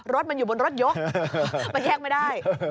รถมันอยู่บนรถยกไปแยกไม่ได้